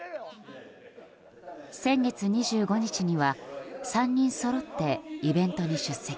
先月２５日には３人そろってイベントに出席。